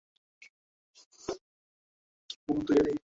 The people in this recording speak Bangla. সে সচকিত হইয়া কহিল, মোহন, তুই এলি!